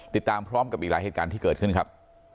ติดตามพร้อมกับอีกหลายเหตุการณ์ที่เกิดขึ้นครับ